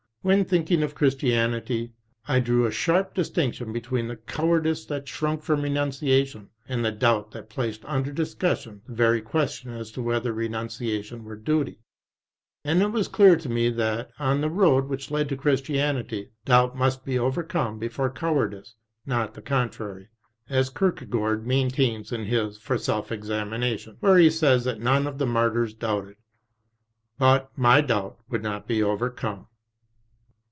When thinking of Christianity, I drew a sharp distinction between the coward ice that shrunk from renunciation and the doubt that placed under discussion the very question as to whether renuncia tion were duty. And it was clear to me that, on the road which led to Christianity, doubt must be overcome before cowardice — not the contrary, as Kierkegaard maintains in io8 REMINISCENCES his For Self Examination, where he says that none of the martyrs doubted. But my doubt would not be overcome.